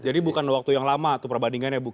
jadi bukan waktu yang lama itu perbandingannya